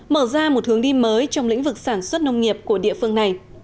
mở ra một hướng đi mới trong lĩnh vực sản xuất nông nghiệp của địa phương này